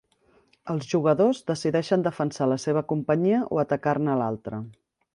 Els jugadors decideixen defensar la seva companyia o atacar-ne l'altra.